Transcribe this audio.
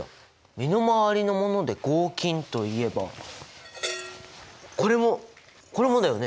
身の回りのもので合金といえばこれもこれもだよね？